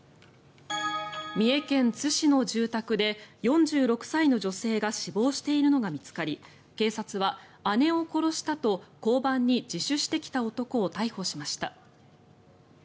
三重県津市の住宅で４６歳の女性が死亡しているのが見つかり警察は、姉を殺したと交番に自首してきた男を逮捕しました。